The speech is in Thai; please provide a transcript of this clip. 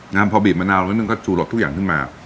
งามพอบีบมะนาวดนตรมึงหนึ่งจูหลดทุกอย่างขึ้นมา